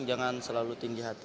jangan selalu tinggi hati